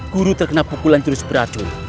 guru terkena pukulan jurus racun